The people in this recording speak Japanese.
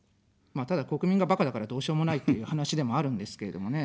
ただ、国民が、ばかだからどうしようもないという話でもあるんですけれどもね。